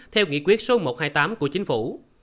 theo nghị quyết số một trăm hai mươi tám của chính phủ